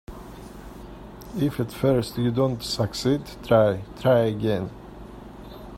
If at first you don't succeed, try, try again.